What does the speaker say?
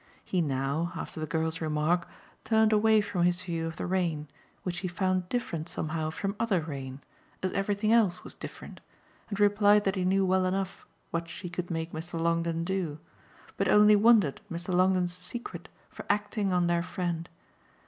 He now after the girl's remark turned away from his view of the rain, which he found different somehow from other rain, as everything else was different, and replied that he knew well enough what she could make Mr. Longdon do, but only wondered at Mr. Longdon's secret for acting on their friend.